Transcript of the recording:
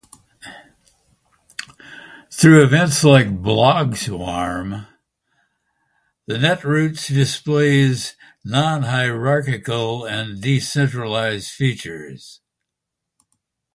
Through events like a blogswarm, the netroots displays non-hierarchical and decentralized features.